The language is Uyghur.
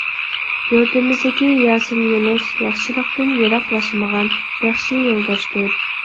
يۇرتىمىزدىكى ياسىن يۇنۇس ياخشىلىقتىن يىراقلاشمىغان، ياخشى يولداشتۇر.